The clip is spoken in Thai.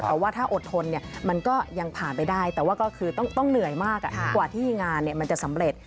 แต่ว่าถ้าอดทนมันก็ยังผ่านไปได้แต่ว่าก็คือต้องเหนื่อยมากกว่าที่งานมันจะสำเร็จ